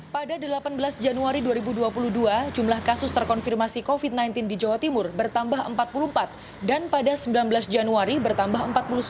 pada delapan belas januari dua ribu dua puluh dua jumlah kasus terkonfirmasi covid sembilan belas di jawa timur bertambah empat puluh empat dan pada sembilan belas januari bertambah empat puluh sembilan